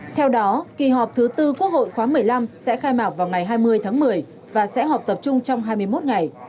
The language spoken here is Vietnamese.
theo đó kỳ họp thứ tư quốc hội khóa một mươi năm sẽ khai mạc vào ngày hai mươi tháng một mươi và sẽ họp tập trung trong hai mươi một ngày